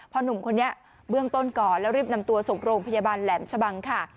หนุ่มคนนี้เบื้องต้นก่อนแล้วรีบนำตัวส่งโรงพยาบาลแหลมชะบังค่ะ